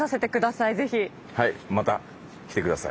はいまた来て下さい。